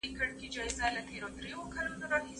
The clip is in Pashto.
انځرګل